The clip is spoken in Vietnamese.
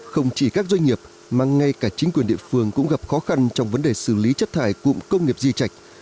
không chỉ các doanh nghiệp mà ngay cả chính quyền địa phương cũng gặp khó khăn trong vấn đề xử lý chất thải cụm công nghiệp di chạch